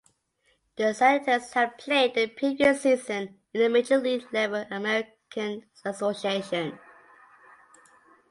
The Senators had played the previous season in the major league level American Association.